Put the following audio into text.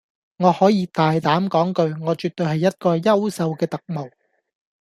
我可以大膽講句，我絕對係一個優秀嘅特務